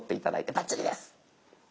バッチリです。